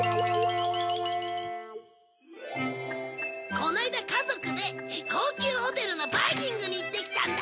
この間家族で高級ホテルのバイキングに行ってきたんだ。